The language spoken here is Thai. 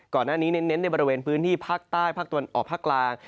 ก่อนหน้านี้เน้นในบริเวณพื้นที่ภาคใต้ภาคตะวันออกภาคกลาง